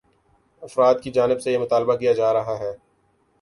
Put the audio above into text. افراد کی جانب سے یہ مطالبہ کیا جا رہا ہے